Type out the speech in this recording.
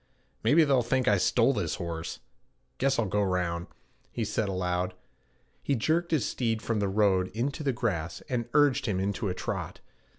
'Maybe they'll think I stole this horse. Guess I'll go round,' he said aloud. He jerked his steed from the road into the grass, and urged him into a trot.